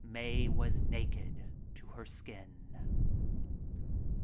Mae was naked to her skin.